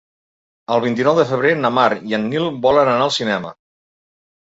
El vint-i-nou de febrer na Mar i en Nil volen anar al cinema.